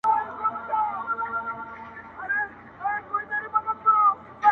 • نجلۍ لا هم له سخت درد سره مخ ده او حالت يې خرابېږي,